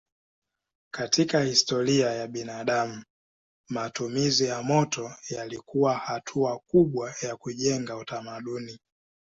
Katika historia ya binadamu matumizi ya moto yalikuwa hatua kubwa ya kujenga utamaduni.